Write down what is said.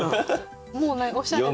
もうねおしゃれ。